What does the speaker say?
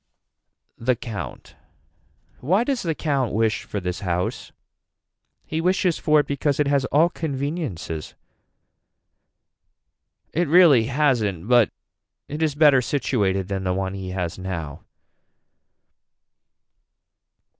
The count. Why does the count wish for this house. He wishes for it because it has all conveniences. It really hasn't but it is better situated than the one he has now.